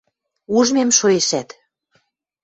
– Ужмем шоэшӓт.